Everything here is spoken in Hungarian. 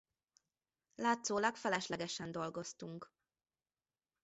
Látszólag feleslegesen dolgoztunk.